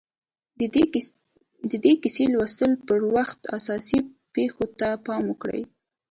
د دې کيسې د لوستلو پر وخت اساسي پېښو ته پام وکړئ.